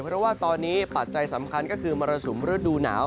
เพราะว่าตอนนี้ปัจจัยสำคัญก็คือมรสุมฤดูหนาว